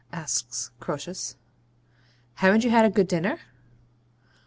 asks Croesus. 'Haven't you had a good dinner?'